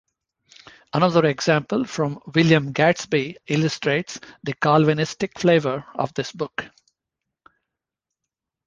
Another example from William Gadsby illustrates the Calvinistic flavour of this book.